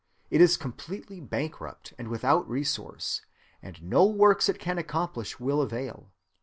It is completely bankrupt and without resource, and no works it can accomplish will avail.